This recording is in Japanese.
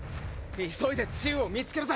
急いでチウを見つけるぜ。